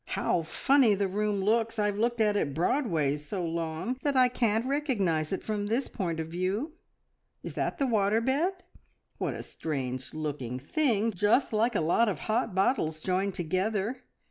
How funny the room looks! I've looked at it broadways so long that I can't recognise it from this point of view. Is that the water bed? What a strange looking thing! just like a lot of hot bottles joined together.